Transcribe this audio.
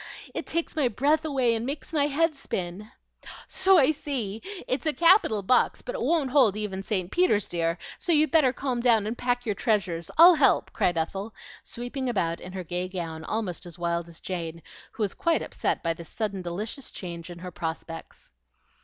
It takes my breath away and makes my head spin." "So I see. It's a capital box, but it won't hold even St. Peter's, dear; so you'd better calm down and pack your treasures. I'll help," cried Ethel, sweeping about in her gay gown, almost as wild as Jane, who was quite upset by this sudden delicious change in her prospects.